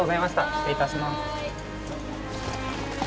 失礼いたします。